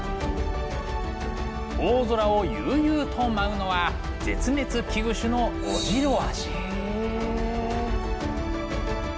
大空を悠々と舞うのは絶滅危惧種のへえ。